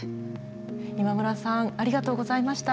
今村さんありがとうございました。